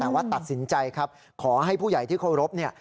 แต่ว่าตัดสินใจครับขอให้ผู้ใหญ่ที่เคารพเนี่ย